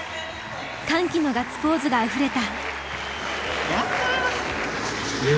歓喜のガッツポーズがあふれた。